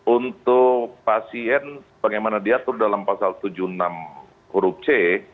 untuk pasien sebagaimana diatur dalam pasal tujuh puluh enam huruf c